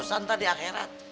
santai di akhirat